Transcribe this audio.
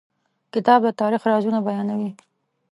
کتاب د تاریخ رازونه بیانوي.